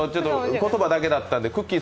言葉だけだったんで、くっきー！